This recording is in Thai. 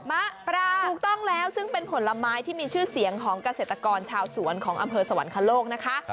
มะปรางถูกต้องแล้วซึ่งเป็นผลไม้ที่มีชื่อเสียงของเกษตรกรชาวสวนของอำเภอสวรรคโลกนะคะ